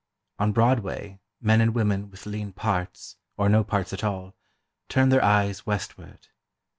On Broadway, men and women with lean parts, or no parts at all, turned their eyes westward.